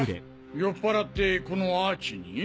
酔っ払ってこのアーチに？